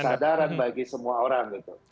masih menjadi kesadaran bagi semua orang gitu